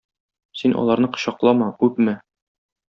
Син аларны кочаклама, үпмә.